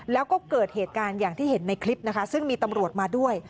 แล้วก็เกิดเหตุการณ์อย่างที่เห็นในคลิปนะคะซึ่งมีตำรวจมาด้วย